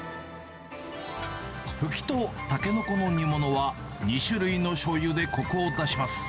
フキとタケノコの煮物は、２種類のしょうゆでこくを出します。